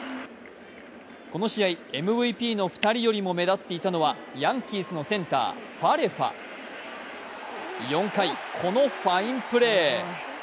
この試合、ＭＶＰの２人よりも目立っていたのはヤンキースのセンター・ファレファ４回、このファインプレー！